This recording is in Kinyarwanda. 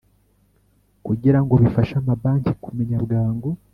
Kugira ngo bifashe amabanki kumenya bwangu